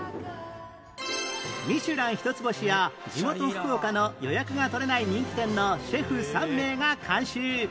ミシュラン一つ星や地元福岡の予約が取れない人気店のシェフ３名が監修